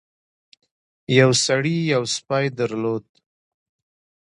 یو سړي یو سپی درلود.